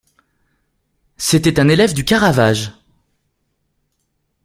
C'était un élève du Caravage.